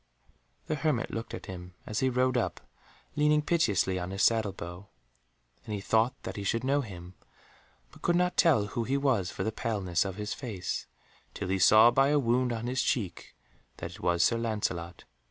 The hermit looked at him as he rode up, leaning piteously on his saddle bow, and he thought that he should know him, but could not tell who he was for the paleness of his face, till he saw by a wound on his cheek that it was Sir Lancelot.